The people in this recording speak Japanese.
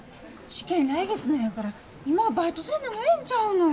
試験来月なんやから今はバイトせんでもええんちゃうの。